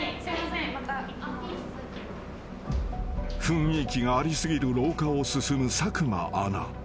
［雰囲気があり過ぎる廊下を進む佐久間アナ］